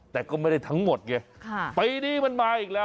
แต่ก็ไม่ได้ทั้งหมดไงปีนี้มันมาอีกแล้ว